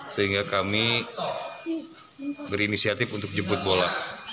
sehingga kami berinisiatif untuk jemput bola